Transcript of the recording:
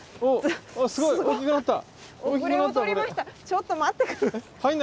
ちょっと待って下さい。